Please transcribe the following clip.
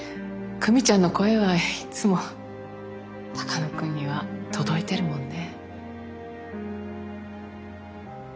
久美ちゃんの声はいつも鷹野君には届いてるもんね。